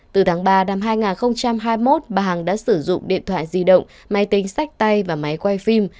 từ tháng ba năm hai nghìn hai mươi một bà hằng đã sử dụng điện thoại di động máy tính sách tay và máy quay phim